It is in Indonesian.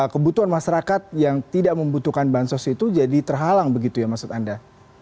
kebutuhan masyarakat yang tidak membutuhkan bansos itu jadi terhalang begitu ya maksud anda